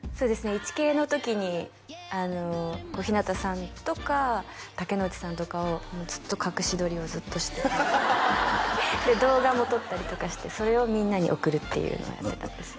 「イチケイ」の時に小日向さんとか竹野内さんとかをずっと隠し撮りをずっとしててで動画も撮ったりとかしてそれをみんなに送るっていうのをやってたんですよ